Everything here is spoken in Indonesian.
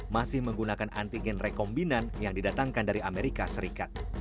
masih menggunakan antigen rekombinan yang didatangkan dari amerika serikat